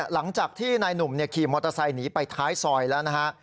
หลังจากที่นายหนุ่มขี่มอเตอร์ไซค์หนีไปท้ายซอยแล้วนะฮะ